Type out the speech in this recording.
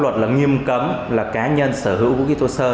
pháp luật nghiêm cấm cá nhân sở hữu vũ khí thô sơ